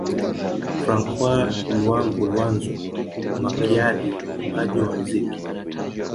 Francois Luambo Luanzo Makiadi mwimbaji wa mziki